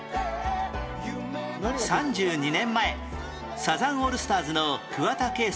３２年前サザンオールスターズの桑田佳祐